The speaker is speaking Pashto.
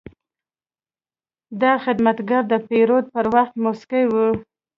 دا خدمتګر د پیرود پر وخت موسکی وي.